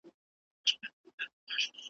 اور دي په کلي مرګ دي په خونه .